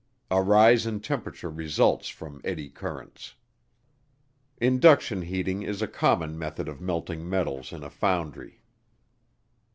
A rise in temperature results from "eddy currents." Induction heating is a common method of melting metals in a foundry.